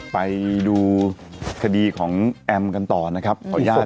ไปดูคดีของแอมกันต่อนะครับ